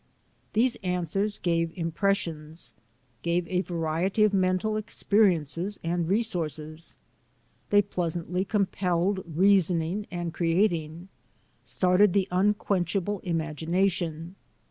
These answers gave impressions; gave a variety of mental experiences and resources. They pleas antly compelled reasoning and creating — started the unquenchable imagination.